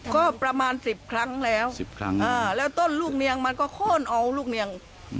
ก็ประมาณ๑๐ครั้งแล้ว๑๐ครั้งแล้วต้นลูกเนียงมันก็โค้นเอาลูกเนียง